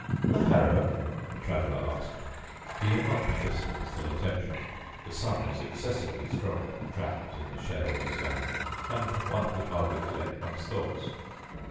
"The harrow?" the Traveler asked. He had not been listening with full attention. The sun was excessively strong, trapped in the shadowless valley, and one could hardly collect one's thoughts.